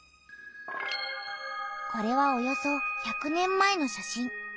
これはおよそ１００年前の写真。